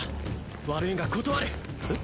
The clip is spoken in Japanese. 悪いが断るえっ？